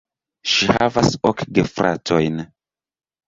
Ŝi havas ok gefratojn.